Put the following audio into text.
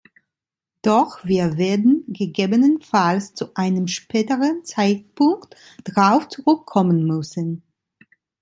Doch wir werden gegebenenfalls zu einem späteren Zeitpunkt drauf zurückkommen müssen.